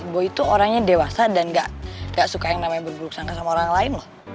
gue itu orangnya dewasa dan gak suka yang namanya berburuk sangka sama orang lain loh